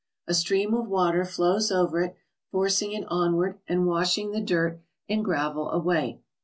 A stream of water flows over it, forcing it onward and washing the dirt and gravel away.